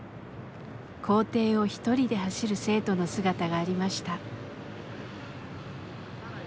校庭を一人で走る生徒の姿がありました。